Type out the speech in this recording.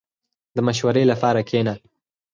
• د مشورې لپاره کښېنه.